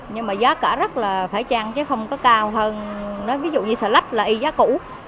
nhưng mà giá cả rất là phải chăng chứ không có cao hơn nói ví dụ như xà lách là y giá cũ